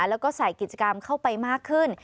แล้วก็ใส่กิจกรรมเข้าไปมากขึ้น